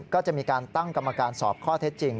ก็จะมีการตั้งกรรมการสอบข้อเท็จจริง